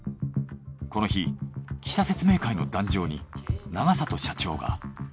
この日記者説明会の壇上に永里社長が。